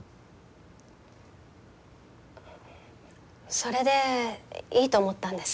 それでいいと思ったんです。